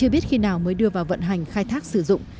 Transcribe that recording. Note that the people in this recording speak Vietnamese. biết khi nào mới đưa vào vận hành khai thác sử dụng